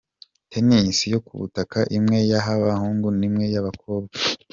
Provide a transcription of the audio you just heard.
Tennis yo ku butaka imwe y’abahungu n’imwe y’abakobwa.